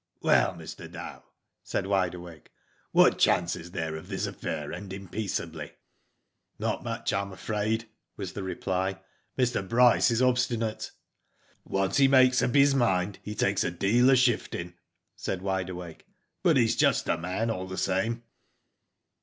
'* Well, Mr. Dow," said Wide Awake, " what chance is there of this affair ending peaceably ?" ''Not much, Tm afraid/' was the reply. "Mr. Bryce is obstinate." "Once he makes up his mind he takes a* deal of shifting," said Wide Awake, '*but he's a just man all the same."